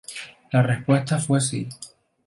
La respuesta fue sí.